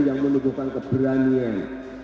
yang menegurkan keberanian